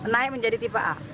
naik menjadi tipe a